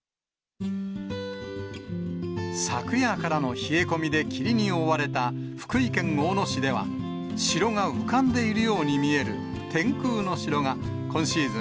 昨夜からの冷え込みで霧に覆われた福井県大野市では、城が浮かんでいるように見える、天空の城が今シーズン